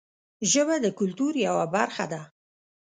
ژبه د کلتور یوه برخه ده